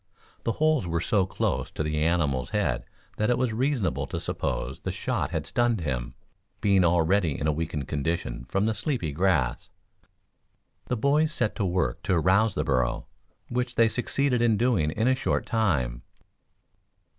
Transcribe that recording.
The holes were so close to the animal's head that it was reasonable to suppose the shot had stunned him, being already in a weakened condition from the sleepy grass. The boys set to work to rouse the burro, which they succeeded in doing in a short time.